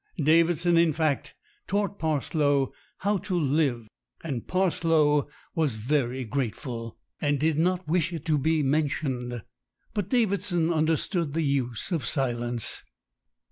Davidson, in fact, taught Parslow how to live, and Parslow was very grateful, and did 40 STORIES WITHOUT TEARS not wish it to be mentioned ; but Davidson understood the uses of silence.